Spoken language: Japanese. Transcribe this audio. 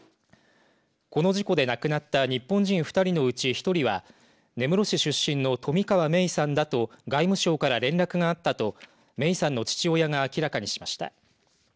この事故で亡くなった日本人２人のうち１人は根室市出身の冨川芽生さんだと外務省から連絡があったと芽生さんの父親が明らかにしました。